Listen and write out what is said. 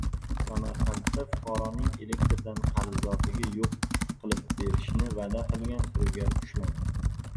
Samarqandda fuqaroning elektrdan qarzdorligini yo‘q qilib berishni va’da qilgan firibgar ushlandi